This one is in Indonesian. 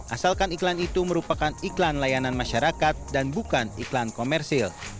asalkan iklan itu merupakan iklan layanan masyarakat dan bukan iklan komersil